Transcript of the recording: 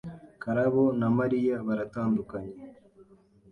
Karabo na Mariya baratandukanye.